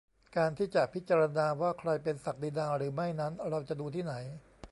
การที่จะพิจารณาว่าใครเป็นศักดินาหรือไม่นั้น เราจะดูที่ไหน ?